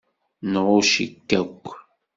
Nɣucc-ik akk.